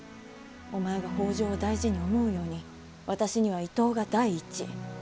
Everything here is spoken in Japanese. お前が北条を大事に思うように私には伊東が第一。